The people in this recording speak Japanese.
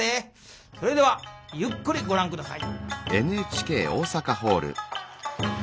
それではゆっくりご覧下さい。